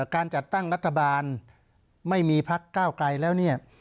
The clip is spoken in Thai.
การจัดตั้งรัฐบาลไม่มีภาคก้าวกัยแล้วนี่